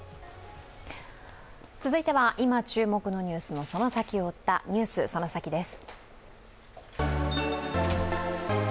続いては今、注目のニュースのその先を追った「ＮＥＷＳそのサキ！」です。